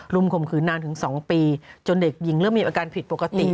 ข่มขืนนานถึง๒ปีจนเด็กหญิงเริ่มมีอาการผิดปกติ